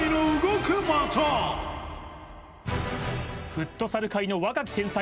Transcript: フットサル界の若き天才